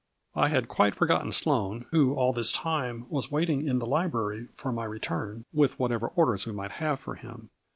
I had quite forgotten Sloane, who all this time was waiting in the library for my return with what ever orders we might have for him.